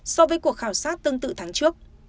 so với cuộc khảo sát tương tự tháng trước